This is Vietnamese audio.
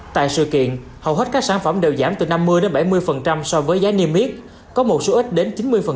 tại sự kiện hầu hết các sản phẩm đều giảm từ năm mươi bảy mươi so với giá niêm yết có một số ít đến chín mươi